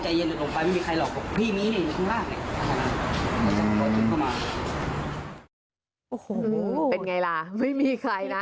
โอ้โหเป็นไงล่ะไม่มีใครนะ